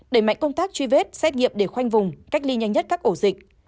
đẩy mạnh công tác truy vết xét nghiệm để khoanh vùng cách ly nhanh nhất các ổ dịch